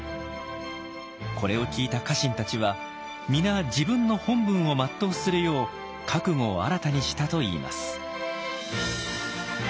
これを聞いた家臣たちは皆自分の本分を全うするよう覚悟を新たにしたといいます。